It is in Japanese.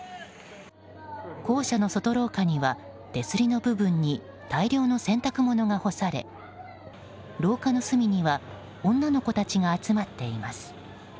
校舎の外廊下には手すりの部分に大量の洗濯物が干され廊下の隅には女の子たちが集まっています。